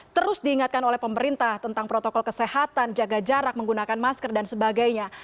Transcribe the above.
terus diingatkan oleh pemerintah tentang protokol kesehatan jaga jarak menggunakan masker dan sebagainya